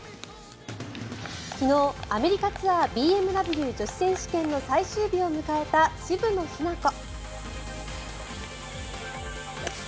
昨日、アメリカツアーＢＭＷ女子選手権の最終日を迎えた渋野日向子。